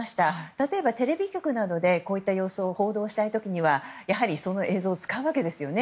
例えば、テレビ局などでこういった様子を報道したい時にはやはり、その映像を使うわけですよね。